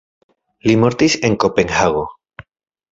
Li mortis en Kopenhago.